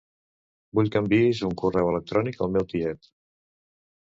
Vull que enviïs un correu electrònic al meu tiet.